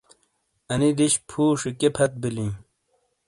انی دِش پھُوشی کیئے پھت بیلیں؟